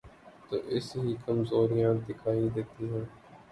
تو ایسی ہی کمزوریاں دکھائی دیتی ہیں۔